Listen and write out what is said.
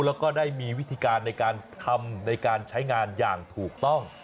แล้วก็ได้มีวิธีการในการทำในการใช้งานอย่างถูกต้อง